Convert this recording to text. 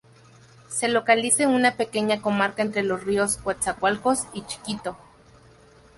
Se localiza en una pequeña comarca entre los ríos Coatzacoalcos y Chiquito.